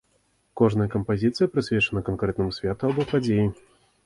Кожная кампазіцыя прысвечана канкрэтнаму святу або падзеі.